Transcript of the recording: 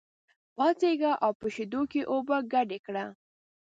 پاڅېږه او په شېدو کې اوبه ګډې کړه.